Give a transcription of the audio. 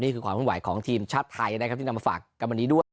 ความขึ้นไหวของทีมชาติไทยนะครับที่นำมาฝากกันวันนี้ด้วย